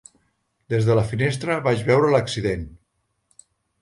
Des de la finestra vaig veure l'accident.